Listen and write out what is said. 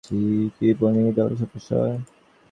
তিনি eight Lancashire ল্যাড্সের clog নৃত্যদলের সদস্য হন।